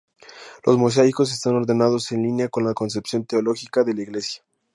Los mosaicos están ordenados en línea con la concepción teológica de la iglesia.